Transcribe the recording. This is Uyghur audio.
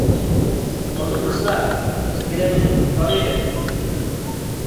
بولدى قىلسىلا، سىلىگە دەيدىغان گېپىم بار ئىدى.